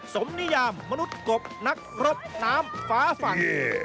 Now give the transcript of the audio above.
สมนิยามมนุษย์กบนักรบน้ำฟ้าฝั่ง